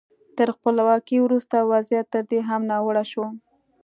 تر خپلواکۍ وروسته وضعیت تر دې هم ناوړه شو.